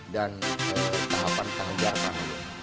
dan tahapan pengajaran